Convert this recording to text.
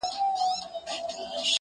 « اتفاق په پښتانه کي پیدا نه سو »!.